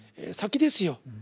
先ですよ。